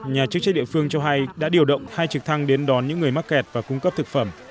nhà chức trách địa phương cho hay đã điều động hai trực thăng đến đón những người mắc kẹt và cung cấp thực phẩm